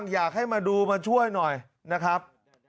อยากให้มาดูมาช่วยหน่อยนะครับ